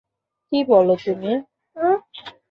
কী বলো তুমি?